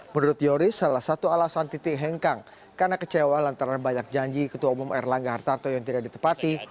menurut yoris salah satu alasan titi hengkang karena kecewa lantaran banyak janji ketua umum erlangga hartarto yang tidak ditepati